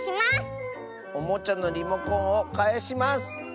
おもちゃのリモコンをかえします。